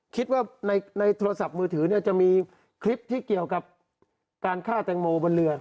คิดว่าในโทรศัพท์มือถือเนี่ยจะมีคลิปที่เกี่ยวกับการฆ่าแตงโมบนเรือ